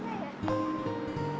iya deh pak